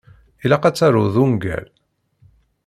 Ilaq ad taruḍ ungal.